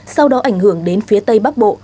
sau đó ảnh hưởng đến phía tây bắc bộ